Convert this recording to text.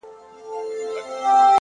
• داسي قبـاله مي په وجـود كي ده،